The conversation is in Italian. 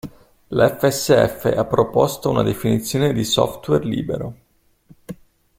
La FSF ha proposto una definizione di "software libero".